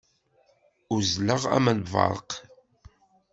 Uzzleɣ am lberq.